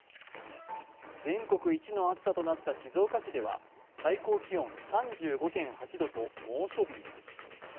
全国一の暑さとなった静岡市では最高気温３５．８度と猛暑日に。